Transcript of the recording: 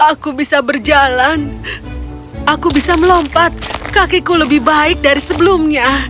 aku bisa berjalan aku bisa melompat kakiku lebih baik dari sebelumnya